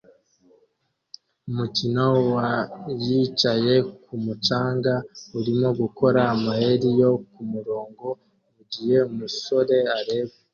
Umukino wa yicaye kumu canga urimo gukora amayeri yo kumurongo mugihe umusore areba